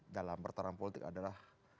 dalam pertarungan politik adalah